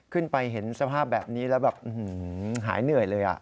เห็นสภาพแบบนี้แล้วแบบหายเหนื่อยเลย